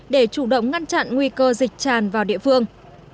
để chủ động ngăn chặn nguy cơ dịch tràn vào địa phương